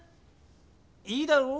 いいだろう？